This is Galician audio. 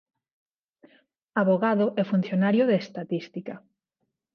Avogado e funcionario de estatística.